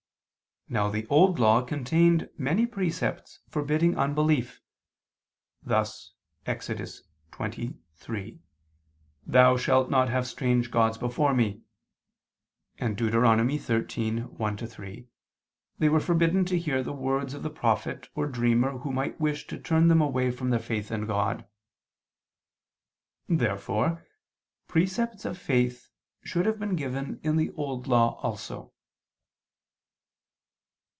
Now the Old Law contained many precepts forbidding unbelief: thus (Ex. 20:3): "Thou shalt not have strange gods before Me," and (Deut. 13:1 3) they were forbidden to hear the words of the prophet or dreamer who might wish to turn them away from their faith in God. Therefore precepts of faith should have been given in the Old Law also.